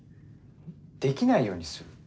できないようにする？